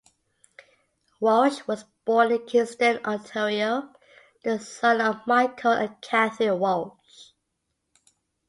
Walsh was born in Kingston, Ontario, the son of Michael and Catherine Walsh.